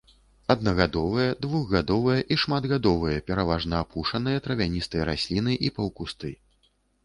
Аднагадовыя, двухгадовыя і шматгадовыя, пераважна апушаныя травяністыя расліны і паўкусты.